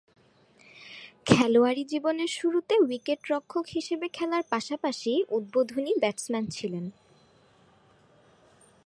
খেলোয়াড়ী জীবনের শুরুতে উইকেট-রক্ষক হিসেবে খেলার পাশাপাশি উদ্বোধনী ব্যাটসম্যান ছিলেন।